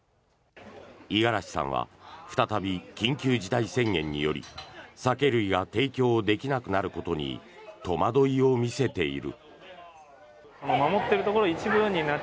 五十嵐さんは再び緊急事態宣言により酒類が提供できなくなることに戸惑いを見せている。